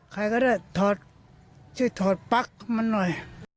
ใครก็ได้ถอดช่วยถอดปลั๊กมันหน่อย